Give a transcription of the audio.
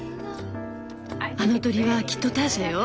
あの鳥はきっとターシャよ。